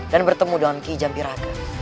dan bertemu dengan kijam piragang